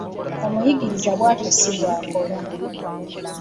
Omuyigiriza bw'atyo ssi bw'akola.